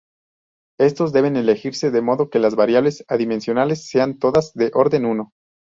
Estos deben elegirse de modo que las variables adimensionales sean todas de orden uno.